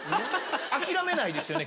諦めないですよね